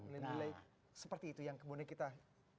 nilai nilai seperti itu yang kemudian kita